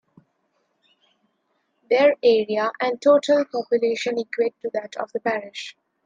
Their area and total population equate to that of the parish.